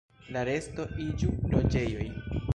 La resto iĝu loĝejoj.